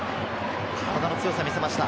体の強さを見せました。